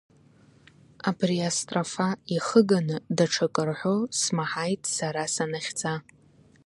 Абри астрофа иахыганы даҽак рҳәо смаҳаит сара санахьӡа.